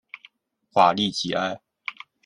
瓦利吉埃。